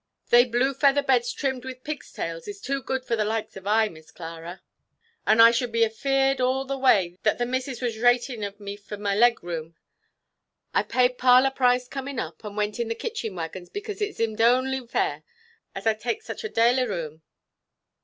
"They blue featherbeds trimmed with pig's tails, is too good for the likes of I, Miss Clara; and I should be afeared all the wai that the Missus was rating of me for my leg room. I paid parlour price coming up, and went in the kitchen waggons, because it zim'd only fair, as I takes such a dale of room."